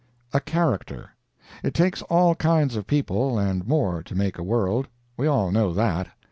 A CHARACTER It takes all kinds of people and more to make a world. We all know that.